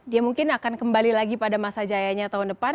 dia mungkin akan kembali lagi pada masa jayanya tahun depan